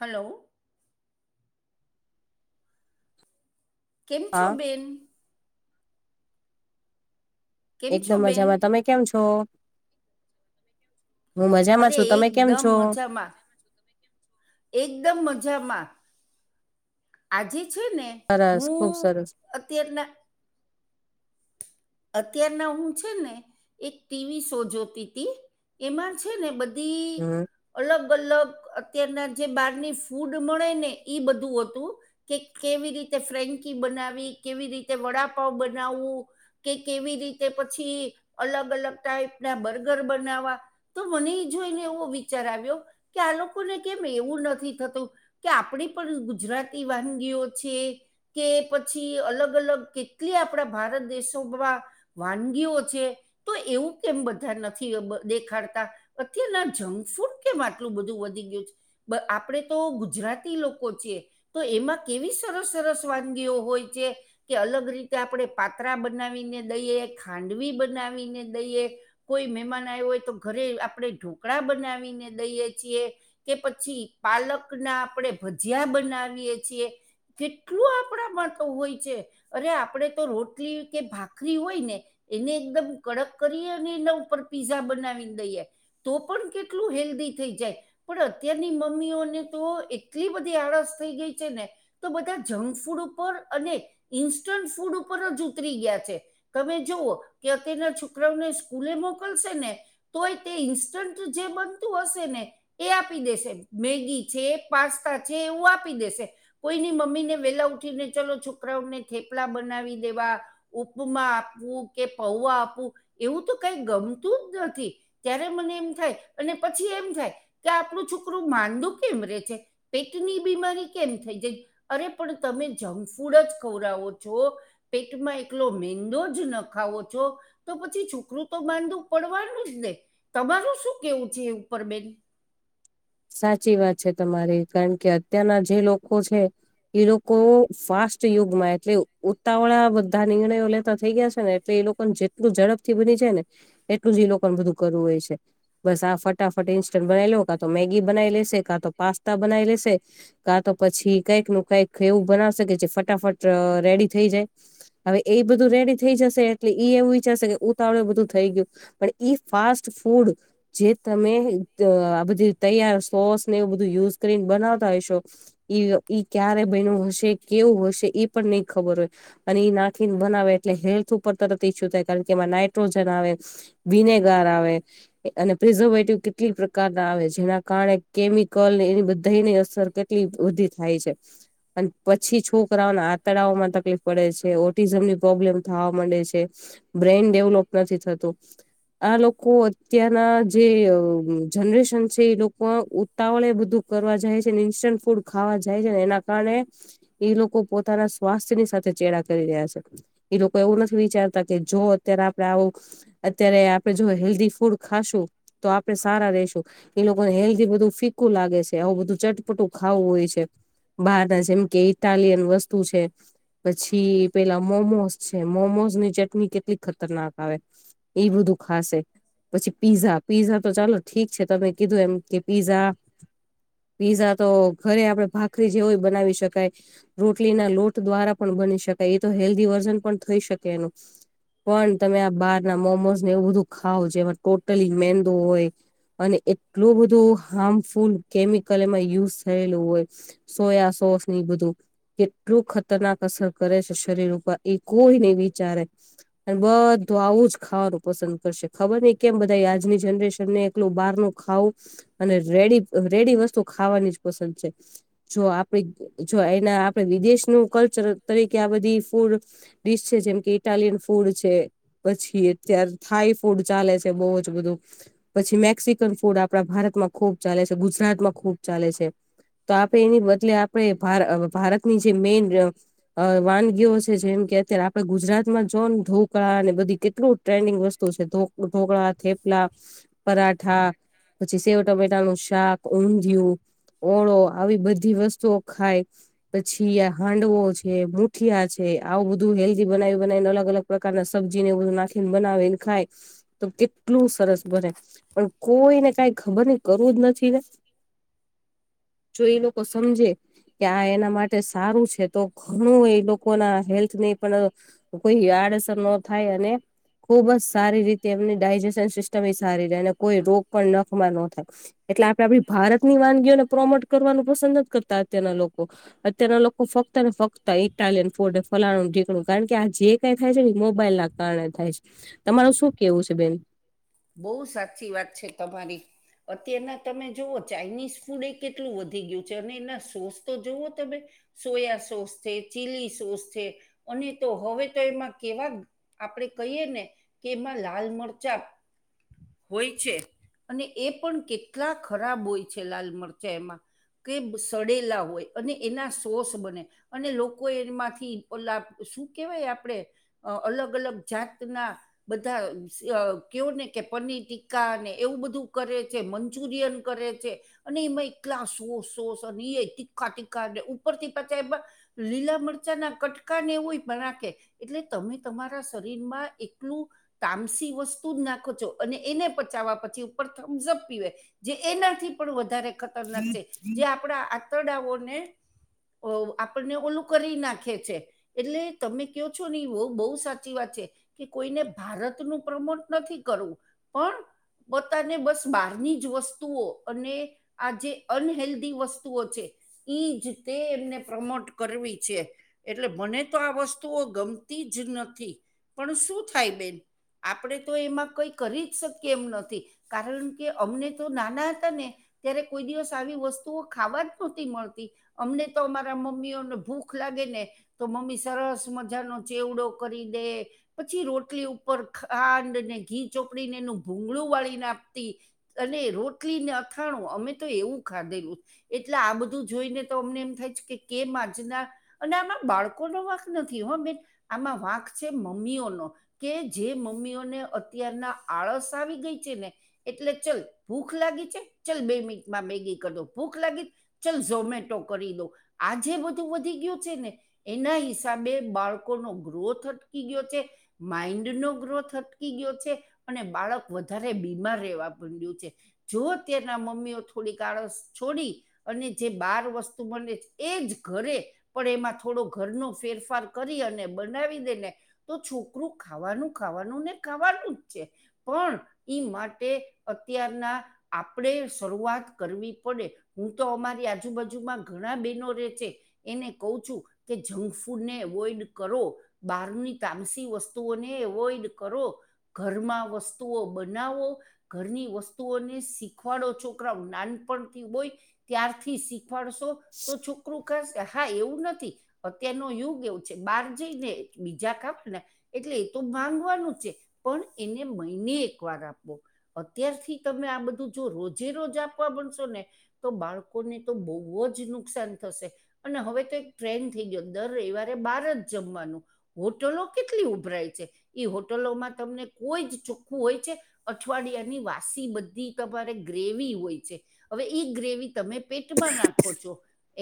Hello કેમ છો હા બેન કેમ છો એકદમ બેન મજામાં તમે કેમ છો હું મજામાં અરે છું તમે કેમ એકદમ છો મજામાં એકદમ મજામાં આજે છે ને સરસ ખુબ હું સરસ અત્યારના અત્યારના હું છે ને એક ટીવી શો જોતી તીતી એમાં છે ને બ હમ [unintelligible] અલગ અલગ અત્યારના જે બહારની ફૂડ મળે ને ઈ બધું હતું કે કેવી રીતે ફ્રેન્કી બનાવી કેવી રીતે વડાપાવ બનાવવું. કે કેવી રીતે પછી અલગ અલગ ટાઈપ ના બર્ગર બનાવા. તો મને એ જોઈને એવો વિચાર આવ્યો કે આ લોકોને કેમ એવું નથી થતું કે આપડી પણ ગુજરાતી વાનગીઓ છે. કે પછી અલગ અલગ કેટલી આપણા ભારત દેશોમાં વાનગીઓ છે તો એવું કેમ બધા નથી દેખાડતા. અત્યારના જંક ફૂડ કેમ આટલું બધું વધી ગયું છે. બ આપણેે તો ગુજરાતી લોકો છીએ. તો એમાં કેવી સરસ સરસ વાનગીઓ હોય છે કે અલગ રીતે આપણે પાત્રા બ બનાવીને દઈએ, ખાંડવી બનાવીને દઈએ. કોઈ મહેમાન આવ્યો હોય તો ઘરે આપણે ઢોકળા બનાવીને દઈએ છીએ. કે પછી પાલક ના આપણે ભજીયા બનાવીએ છીએ. કેટલું આપણા માટે તો હોય છે અરે આપડે તો રોટલી કે ભાખરી હોય ને એને એકદમ કડક કરયે ને એના ઉપર પીઝા બનાવી દઈએ. તો પણ કેટલું હેલ્ધી થઈ જાય. પણ અત્યારની મમ્મી ઓને તો એટલી બધી આળસ થઈ ગઈ છે ને તો બધા જંફ ફૂડ ઉપર અને ઇન્સ્ટન્ટ ફૂડ ઉપર જ ઉતરી ગયા છે તમે જુઓ કે અત્યારના છોકરાઓને સ્કૂલે મોકલશે ને તોય તે ઇન્સ્ટન્ટ જે બનતું હશે ને એ આપી દેશે. મેગી છે, પાસ્તા છે એવું આપી દેશે. કોઈની મમ્મી ને વેલા ઉઠીને ચલો છોકરાઓને થેપલા બનાવી દેવા. ઉપમા આપવું કે, પૌવા આપવું એવું તો કઈ ગમતું જ નથી. ત્યારે મને એમ થાય અને પછી એમ થાય કે આપણું છોકરું માંદુ કેમ રે છે. પેટની બીમારી કેમ થઈ જાય અરે પણ તમે જક ફૂડ જ ખવરાવો છો પેટમાં એકલો મેંદો જ નખાવો છો તો પછી છોકરું તો માંદુ પડવાનું જ ને તમારું શું કેવું છે એ ઉપર બેન? સાચી વાત છે તમારી કારણ કે અત્યારના જે લોકો છે. એ લોકો ફાસ્ટ યુગમાં એટલે ઉતાવળા બધા નિર્ણયો લેતા થઈ ગયા છે ને એટલે એ લોકો જેટલું ઝડપથી બની જાય ને એટલું જ એ લોકો ને બધું કરવું હોય છે. બસ આ ફટાફટ ઇન્સ્ટન્ટ બનાવી લવ કાં તો મેગી બનાવી લેશે, કાં તો પાસ્તા બનાવી લેશે. કા તો પછી કઈક નું કઈક એવું બનાવશે જે ફટાફટ રેડી થઈ જાય. હવે એ બધું રેડી થઈ જશે એટલે ઈ એવું વિચારશે કે ઉતાવળું એ બધું થઈ ગયું. પણ ઈ ફાસ્ટ ફૂડ જે તમે આ બધી તૈયાર સોસ ને એવું બધું યુસ કરીને બનાવતા હશો ઈ ઈ ક્યારે બનીયું હશે, કેવું હશે એ પણ નહી ખબર હોય. અને એ નાખીને બનાવે એટલે હેલ્થ ઉપર તરત ઈસ્યુ થાય કારણ કે એમાં નાઈટ્રોજન આવે. વિનેગાર આવે અને પ્રિઝર્વેટિવ કેટલીક પ્રકાર ના આવે છે. જેના કારણે કેમિકલ એની બધાની અસર કેટલી બધી થાય છે. અને પછી છોકરાઓને આંતડાઓમાં તકલીફ પડે છે, ઓટિઝમ ની પ્રોબ્લેમ થવા માંડે છે. બ્રેઈન ડેવલોપ નથી થતું. આ લોકો અત્યારે ના જે જનરેશન છે ઈ લોકો ઉતાવળ એ બધું કરવા જાય છેને ઇન્સ્ટન્ટ ફૂડ ખાવા જાય છે ને એના કારણે ઈ લોકો પોતાના સ્વાસ્થ્ય ની સાથે ચેડા કરી રહ્યા છે. ઈ લોકો એવું નથી વિચારતા કે જો અત્યારે આપડે આવું અત્યારે આપડે જો હેલ્ધી ફૂડ ખાશું તો આપડે સારા રેશું. એ લોકોને હેલ્ધી બધું ફીકું લાગે છે આવું બધું ચટપટું ખાવું હોય છે. બહારના જેમ કે ઇટાલિયન વસ્તુ છે. પછી પેલા મોમોસ છે. મોમોઝ ની ચટણી કેટલી ખતરનાક આવે ઈ બધું ખાશે પછી પીઝા, પીઝા તો ચાલો ઠીક છે તમે કીધું એમ કે પીઝા પીઝા તો ઘરે આપડે ભાખરી જેવો એ બનાવી શકાય રોટલી ના લોટ દ્વારા પણ બની શકાય એ તો હેલ્ધી વર્ઝન પણ થઈ શકે એનું પણ તમે આ બહાર ના મોમોઝ ને એવું બધું ખાવ જેમાં ટોટલી મેંદો હોય અને એટલું બધું હાર્મફુલ કેમિકલ એમાં યુઝ થયેલું હોય સોયા સોસ ની બધું કેટલું ખતરનાક અસર કરે છે શરીર ઉપર એ કોઈ નઈ વિચારે અને બધું આવું જ ખાવાનું પસંદ કરશે ખબર નઈ કેમ બધા આજની જનરેશન ને એકલું બહાર ન ખાવું અને રેડી રેડી વસ્તુ ખાવાની જ પસંદ છે. જો આપડી જો એના આપણે વિદેશનુંું કલ્ચર તરીકે આ બધી ફૂડ ડિશ છે જેમ કે ઇટાલિયન ફૂડ છે. પછી અત્યારે થાઈ ફૂડ ચાલે છે બહુ જ બધું પછી મે જંફ ફૂડ આપણા ભારત માં ખુબ ચાલે છે ગુજરાતમાં ખુબ ચાલે છે. તો આપણે એની બદલે આપણે ભારતની જે મેન અ વાનગીઓ છે જેમ કે અત્યારે આપડે ગુજરાત માં જો વો ને ઢોકળા અને બધી કેટલું ટ્રેન્ડિંગ વસ્તુ છે ઢોકળા થેપલા પરાઠા પછી સેવ ટમેટા નુ શાક ઊંધિયુ ઓળો આવી બધી વસ્તુઓ ખાય પછી આ હાંડવો છે મુઠિયા છે આવું બધું હેલ્ધી બનાવી બનાવીને અલગ અલગ પ્રકાર ના સબ્જી એવું બધુ નાખીને બનાવેને ખાય તો કેટલું સરસ બને પણ કોઈને કઈ ખબર કરવું જ નથી ને. જો એ લોકો સમજે કે આ એના માટે સારું છે તો. ઘણું એ લોકો ના હેલ્થને પણ કોઈ આડઅસર ન થાય અને ખુબ જ સારી રીતે એમની ડાયજેશન સિસ્ટમ એ સારી રહે. અને કોઈ રોગ પણ નખમાં ન થાય. એટલે આપણેે આપડી ભારતની વાનગીઓને પ્રોમોટ કરવાનું પસંદ નથી કરતા અત્યારના લોકો અત્યાર લોકો ફક્ત ને ફક્ત ઇટાલિયન ફૂડ ફલાણું ઢીકણું કારણ કે આ જે કઈ થાય છે ને મોબાઈલ ના કારણે થાય છે. તમારું શું કેવું છે બેન. બહુ સાચી વાત છે તમારી અત્યારના તમે જોવો ચાાઈનીઝ ફૂડ એ કેટલું વધી ગયું છે અને એના સોસ તો જોવો તમે. સોયા સોસ છે ચીલી સોસ છે અને તો હવે તો એમાં કેવા આપણેે કહીયે ને કે એમાં લાલ મરચાં હોય છે અને એ પણ કેટલા ખરાબ હોય છે લાલ મરચા એમાં. કે સડેલા હોય અને એના સોસ બને. અને લોકો એમાંથી ઓલા શું કેવાય આપણે. અ અલગ-અલગ જાતના બધા કેઓને. કે પનીર ટી્કા અને એવું બધું કરે છે મંચુરિયન કરે છે. અને એમાં એકલા સોષ સોસ અને એ તીખખા તીખખા ઉપરથી પાછા એમાં લીલા મરચા ના કટકા ને એવું પણ રાખે. એટલે તમે તમારા શરીર માં એકલું તામસી વસ્તુ જ નાખ અને એને પચાવવા પછી ઉપર થમ્સઅપ પીવે જે એનાથી પણ વધારે ખ જે આપણા આંતરડાઓને આપણને ઓલું કરી નાખે છે. એટલે તમે કહો છો ને બહ બહુ સાચી વાત છે. કે કોઈને ભારતનું પ્રમોટ નથી કરવું પણ. બતાને બસ બહારની જ વસ્તુઓ અને. આ જે અનહેેલ્ધી વસ્તુઓ છે. ઈજ તે એમને પ્રમોટ કરવી છે. એટલે મને તો આ વસ્તુઓ ગમતી જ નથી પણ શું થાય બેન. આપણે તો એમાં કઈ કરી જ શકી એમ નથી કારણ કે અમને તો નાના હતા ને ત્યારે કોઈ દિવસ આવી વસ્તુઓ ખાવા જ નથી મલતી. અમને તો અમારા મમ્મીઓને ભૂખ લાગે ને તો મમ્મી સરસ મજાનો ચેવડો કરી દે. પછી રોટલી ઉપર ખાંડ ને ઘી ચોપડીને એનું ભૂગળું વાળી ને આપતી. અને રોટલીને અથાણું અમે તો એવું ખાધેલું. એટલે આ બધું જોઈને તો અમને એમ થાય છે કે કેમ આજના અને આમાં બાળકોનો વાક નથી હ બેન આમાં વાંક છે મમ્મીઓનો કે જે મમ્મીઓને અ ત્યારના આળસ આવી ગઈ છે ને એટલે ચલ ભૂખ લાગી છે ચલ બે મિનિટમાં મેગી કરદુ ભૂખ લાગી ચાલ ઝોમેટો કરી દો આ જે બધું વધી ગયું છે ને એના હિસાબે બાળકોનો ગ્રોથ અટકી ગયો છે માઇન્ડ નો ગ્રોથ અટકી ગયો છે અને બાળક વધારે બીમાર રહેવા મનડ્યું છે. જો તેના મમ્મીઓ થોડી આળસ છોડી અને જે બાર વસ્તુ બને છે એ જ ઘરે પણ એમાં થોડુ ઘરનુ ફેરફાર કરી અને બનાવી દેને તો છોકરું ખાવાનું ખાવાનું ને ખાવાનું છે. પણ ઈ માટે અત્યારના આપડે શરૂઆત કરવી પડે. હું તો અમારી આજુબાજુમાં ઘણા બહેનો રે છે એને કહું છું કે જંક ફૂડ ને અવોઈડ કરો. બહારની તામસી વસ્તુઓને અવોઇડ કરો. ઘરમાં વસ્તુઓ બનાવો ઘરની વસ્તુઓને શીખવાડો છોકરા નાનપણથી હોય ત્યારથી શી ખવાડશો તો છોકરુ કજ હા એવું નથી અત્યારનો યુગ એવું છે, બહાર જઈ ને બીજા કપ ને એટલે એ તો માંગવાનું છે પણ એને મહિને એક વાર આપવો. અત્યારથી તમે આ બધું જો રોજે રોજ આપવા બનશો ને તો બાળકોને તો બહુ જ નુકસાન થશે. અને હવે તો એક ટ્રેન્ડ થઈ ગયો દર રવિવારે બાર જ જમવાનું. હોટલો કેટલી ઉભરાય છે, ઈ હોટલોમાં તમને કોઈ જ ચોખ્ખું હોય છે. અઠવાડિયાની વાસી બધી તમારે ગ્રેવી હોય છે. હવે ગ્રેવી તમે પેટમાં નાખો છો.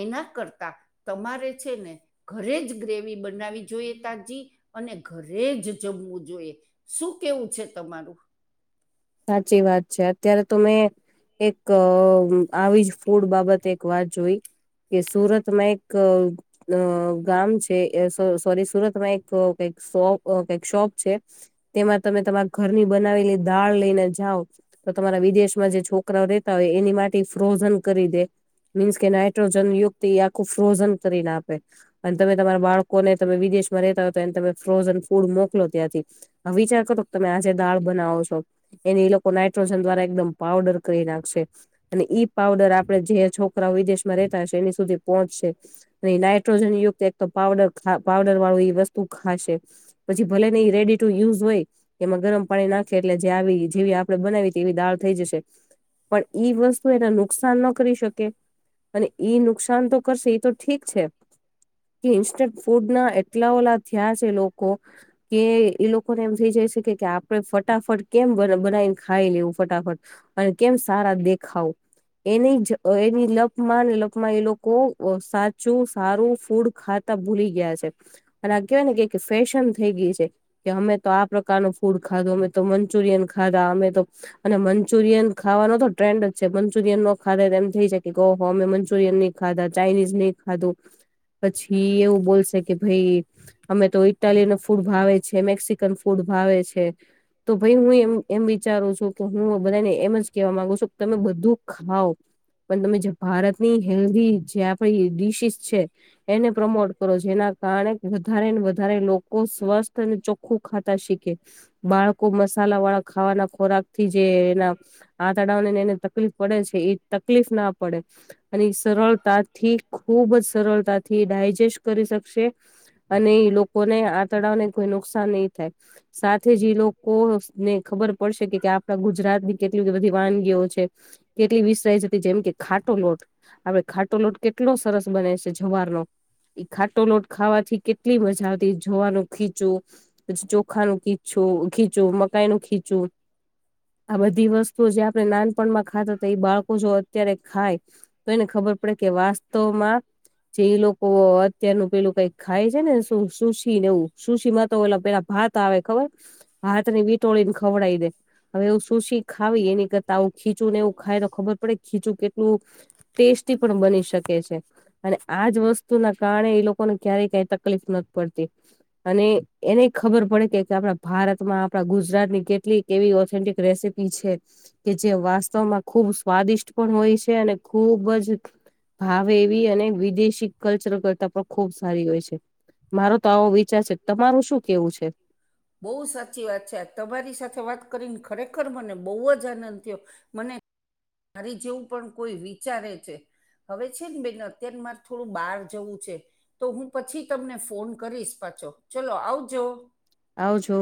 એના કરતા તમારે છે ને ઘરે જ ગ્રેવી બનાવી જોઈએ તાજી અને ઘરે જ જમવું જોઈએ. શું કેવું છે તમારું? સાચી વાત છે. અત્યારે તો વે એક અહ આવી જ ફૂડ બાબતે એક વાત જોઈ કે સુરતમાં એક અહ અહ ગામ છે અહ સો સોરી સુરતમાં એક અહ કઈ શો કઈ શોપ છે. તેમાં તમે તમારા ઘરની બનાવેલી દાલ લઈને જાવ તો તમારા વિદેશમાં જે છોકરાઓ રેતા હોય એની માટે ફ્રોઝન કરી દે મીન્સ કે નાઇટ્રોજન યુક્ત આખું ફ્રોઝન કરીને આપે. અને તમે તમારા બાળકોને તમે વિદેશમાં રહેેતા હોય તો એને તમે ફ્રોઝન ફૂડ મોકલો ત્યાંથી વિચાર કરો તમે આજે દાળ બનાવો છો. તો ઈ લોકો નાઇટ્રોજન દ્વારા એકદમ પાવડર કરી નાખશે. અને ઈ પાવડર આપડે જે છોકરાઓ વિદેશમાં રેતા હશે એની સુધી પહોંચશે અને નાઇટ્રોજન યુક્ત એક તો પાવડર ખા પાવડર વાળું એ વસ્તુ ખાશે પછી ભલે ને એ રેડી ટુ યુઝ હોય એમાં ગરમ પાણી નાખે એટલે જે આવી જ જેવી આપડે બનાવી તેવી દાળ થઈ જશે, પણ ઈ વસ્તુ એને નુકસાન ન કરી શકે? અને ઈ નુકસાન તો કરશે એ તો ઠીક છે ઇન્સ્ટન્ટ ફૂડ ના એટલા ઓલા થયા છે લોકો કે એ લોકોને એમ થઇ જાય શકે કે આપડે ફટાફટ કેમ બનાવીને ખાઈ લેવું ફટાફટ અને કેમ સારા દેખાવ એની લપમાં ને લપમાં એ લોકો સાચું સારું ફૂડ ખા ભૂલી ગયા છે અને આ કહેવાય ને કે ફેશન થઈ ગઈ છે. કે અમે તો આ પ્રકારનું ફૂડ ખાધું અમે તો મંચુરિયન ખાધા અમે તો અને મંચુરિયન ખાવાનો તો ટ્રેન્ડ જ છે. મંચુરિય ન ખાધ એમ થઈ શકે ઓ હો અમે મંચુરિયન ખાધા ચાાઈનીઝ નહી ખાધું. પછી એવું બોલશે કે ભાઈ અમે તો ઇટાલિયન ફૂડ ભાવે છે મેક્સિકન ફૂડ ભાવે છે તો ભાઈ હું એમ એમ વિચારું છું કે હું બધાને એમ જ કેવા માંગુ છું કે તમે બધું ખાવ પણ તમે જે ભારતની હેલ્ધી જે આપણી ડીશીસ છે એને પ્રમોટ કરો જેના કારણે વધારે ને વધારે લોકો સ્વસ્થ અને ચોખ્ખું ખાતા શીખે બાળકો મસાલા વાળા ખાવાના ખોરાક થી જે એના આંતડાાવનેને એને તકલીફ પડે છે એ તકલીફ ના પડે અને સરળતાથી ખુબ જ સરળતાથી ડાયજેસ્ટ કરી શકશે અને લોકોને આ તળાવને કોઈ નુકસાન નહી થાય સાથે જ એ લોકો ને ખબર પડશે કે આપડા ગુજરાત કેટલી બધી વાનગીઓ છે કેટલી વિસરાય જતી જેમ કે ખાટો લોટ આપડે ખાટો લોટ કેટલો સરસ બને છે જુવારનો ખાટો લોટ ખાવાથી કેટલી મજા આવતી જોવાનું ખીચું. પછી ચોખા ન ખીચું ખીચું મકાઈ નું ખીચું આ બધી વસ્તુઓ જે આપણે નાનપણમાં ખાતા ઈ એ બાળકો જો અત્યારે ખાય તો એને ખબર પડે કે વાસ્તવમાં જે લોકો અત્યારનું પેલું કઈક ખાય છે ને શ સુસી ને એવું સુશીમાં તો ઓલા પેલા ભાત આવે ખબર હા તેને વીટોળીન ખવડા દઈ હવે એવ સુસી ખાવી એની કરતા આવું ખીચું ને એવું ખાય તો ખબર પડે ખીચું કેટલુ ટેસ્ટી પણ બની શકે છે. અને આજ વસ્તુ ના કારણે એ લોકોને ક્યારેય કઈ તકલીફ નથી પડતી. અને એને ખબર પડે કે આપણા ભારતમાં આપણા ગુજરાતની કેટલીક એવી ઓથેન્ટિક રેસીપી છે કે જે વાસ્તવમાં ખુબ સ્વાદિષ્ટ પણ હોય છે. છે અને ખુબ જ ભાવે એવી અને વિદેશી કલ્ચર કરતા પણ ખુબ સારી હોય છે. મારો તો આવો વિચાર છે તમારું શું કેવું છે. બહુ સાચી વાત છે આજ તમારી સાથે વાત કરીને ખરેખર મને બહુ જ આનંદ થયો મને મારી જેવું પણ કોઈ વિચારે છે. હવે છે ને બેન અત્યારે મારે થોડું બહાર જવું છે. તો હું પછી તમને ફોન કરીશ પાછો ચલો આવજો આવજો